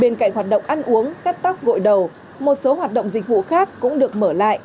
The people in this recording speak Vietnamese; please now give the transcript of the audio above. bên cạnh hoạt động ăn uống cắt tóc gội đầu một số hoạt động dịch vụ khác cũng được mở lại